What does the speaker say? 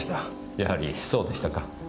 やはりそうでしたか。